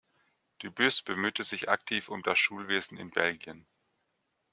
Du Bus bemühte sich aktiv um das Schulwesen in Belgien.